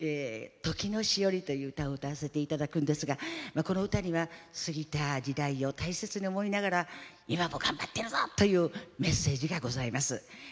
「時のしおり」という歌を歌わせていただくんですがこの歌には過ぎた時代を大切に思いながら今も頑張ってるぞというメッセージがございます。